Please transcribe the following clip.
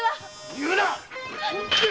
言うな！